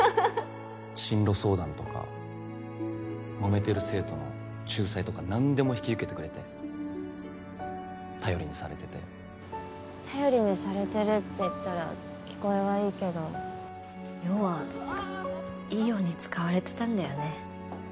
進路相談とかもめてる生徒の仲裁とか何でも引き受けてくれて頼りにされてて頼りにされてるっていったら聞こえはいいけど要はいいように使われてたんだよね